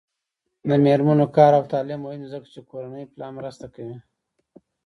د میرمنو کار او تعلیم مهم دی ځکه چې کورنۍ پلان مرسته کوي.